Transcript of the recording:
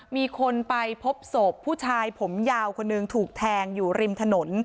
มีคนไปพบศพผู้ชายผมยาวคนหนึ่งถูกแทงอยู่ริมถนน